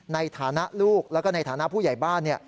ในฐานะลูกแล้วก็ในฐานะผู้ใหญ่บ้าน